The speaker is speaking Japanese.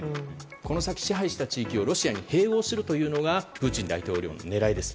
この先、支配した地域をロシアが併合するというのがプーチン大統領の狙いです。